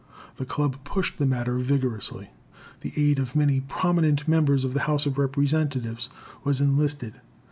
The Club pushed the matter vigorously. The aid of many prominent members of the House of Representatives was enlisted.